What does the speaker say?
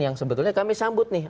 yang sebetulnya kami sambut nih